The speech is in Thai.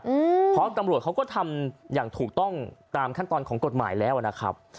อืมเพราะตำรวจเขาก็ทำอย่างถูกต้องตามขั้นตอนของกฎหมายแล้วอ่ะนะครับ